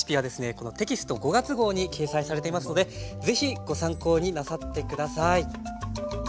このテキスト５月号に掲載されていますので是非ご参考になさって下さい。